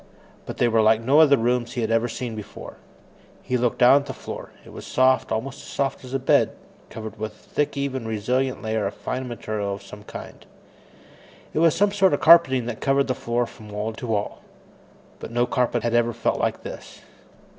But they were like no other rooms he had ever seen before. He looked down at the floor. It was soft, almost as soft as a bed, covered with a thick, even, resilient layer of fine material of some kind. It was some sort of carpeting that covered the floor from wall to wall, but no carpet had ever felt like this.